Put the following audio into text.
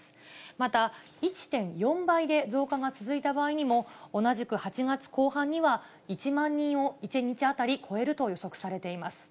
また、１．４倍で増加が続いた場合にも、同じく８月後半には、１万人を１日当たり超えると予測されています。